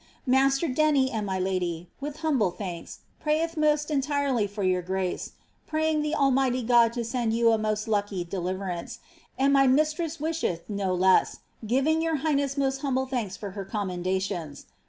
Master Denny and my Iad>% with humble tbank% prayeth must entirely for your grace, praying the Almighty God to send yi» a most hicky delivcraiice; and my mistrei»s* wislieth no less, giving your bi^iwM most humble thanks for her commendations.